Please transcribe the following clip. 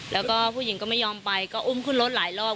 แล้วก็ผู้หญิงก็ไม่ยอมไปก็อุ้มขึ้นรถหลายรอบ